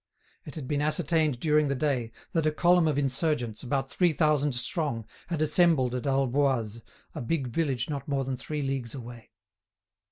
It had been ascertained during the day that a column of insurgents, about three thousand strong, had assembled at Alboise, a big village not more than three leagues away.